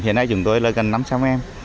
hiện nay chúng tôi là gần năm trăm linh em